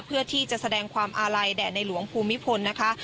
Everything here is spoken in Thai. เพื่อที่จะแสดงความอาลัยแด่ในหลวงภูมิพลนะคะ